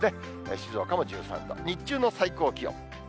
静岡も１３度、日中の最高気温。